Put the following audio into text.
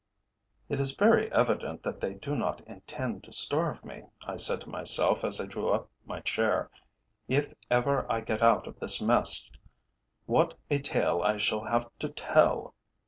"It is very evident that they do not intend to starve me," I said to myself as I drew up my chair. "If ever I get out of this mess, what a tale I shall have to tell!